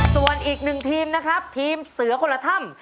ส่วนอีกหนึ่งทีมนะครับทีมเสือคนละถ้ำ